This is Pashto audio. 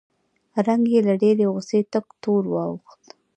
رنګ یې له ډېرې غوسې تک تور واوښت